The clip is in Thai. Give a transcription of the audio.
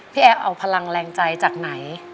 แอฟเอาพลังแรงใจจากไหน